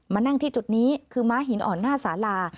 นั่งที่จุดนี้คือม้าหินอ่อนหน้าสาลา